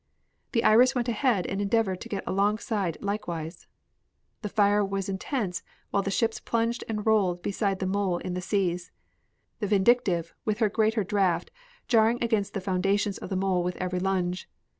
The Iris went ahead and endeavored to get alongside likewise. The fire was intense while the ships plunged and rolled beside the mole in the seas, the Vindictive, with her greater draft, jarring against the foundations of the mole with every lunge.